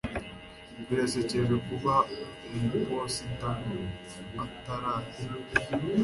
Birasekeje kuba umuposita ataraza